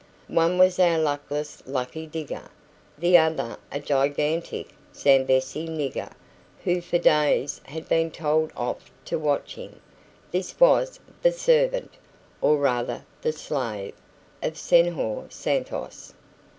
One was our luckless lucky digger, the other a gigantic Zambesi nigger, who for days had been told off to watch him; this was the servant (or rather the slave) of Senhor Santos.